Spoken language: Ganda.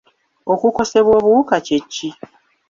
Okukosebwa obuwuka kye ki?